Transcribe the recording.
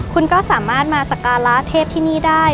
คุณก็สามารถมาสการะเทพที่นี่ได้